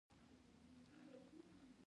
تابانه